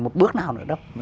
một bước nào nữa đâu